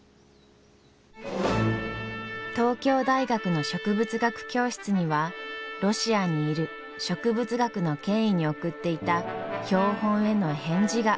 東京大学の植物学教室にはロシアにいる植物学の権威に送っていた標本への返事が届きました。